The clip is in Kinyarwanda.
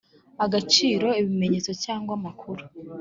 agaciro ibimenyetso cyangwa amakuru